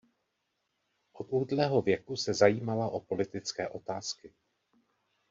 Od útlého věku se zajímala o politické otázky.